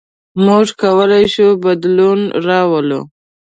موږ کولی شو بدلون راولو.